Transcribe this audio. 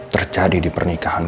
terjadi di pernikahan gue